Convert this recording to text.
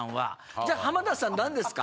じゃあ浜田さん何ですか？